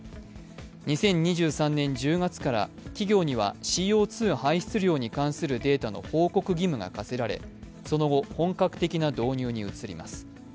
２０２３年１０月から企業にはＣＯ２排出量に関するデータの報告義務が課せられ、その後、本格的な導入に移ります。